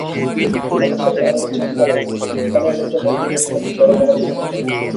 Motorcycle আরোহীর চিৎকারে স্থানীয় লোকজন এগিয়ে এসে তাঁদের ধরে গণপিটুনি দেয়।